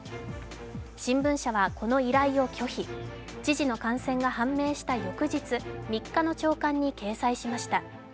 新聞社はこの依頼を拒否、知事の感染が判明した翌日、３日の朝刊に掲載しました。